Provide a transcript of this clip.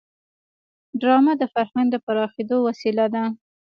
ډرامه د فرهنګ د پراخېدو وسیله ده